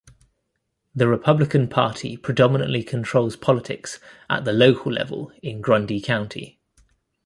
The Republican Party predominantly controls politics at the local level in Grundy County.